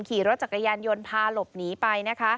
ขี่รถจักรยานยนต์พาหลบหนีไปนะคะ